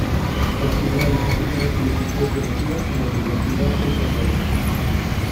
Obtuvo una licenciatura en Filosofía y Teología en la Universidad del Salvador.